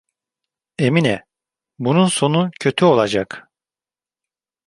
Emine, bunun sonu kötü olacak.